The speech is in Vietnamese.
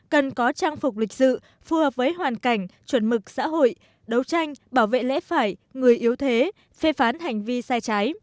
cần có trang phục lịch sự phù hợp với hoàn cảnh chuẩn mực xã hội đấu tranh bảo vệ lẽ phải người yếu thế phê phán hành vi sai trái